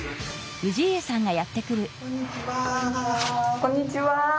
こんにちは。